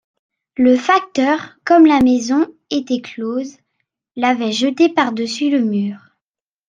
Le facteur, comme la maison était close, l'avait jeté par-dessus le mur.